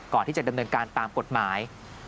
ก่อนที่จะดำเนินการตามกฎหมาย